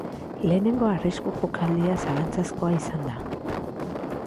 Lehenengo arrisku jokaldia zalantzazkoa izan da.